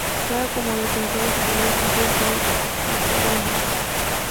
Juega como defensor y su primer equipo fue Tacuarembó.